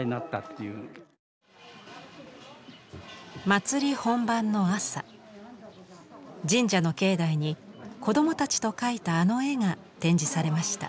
祭り本番の朝神社の境内に子供たちと描いたあの絵が展示されました。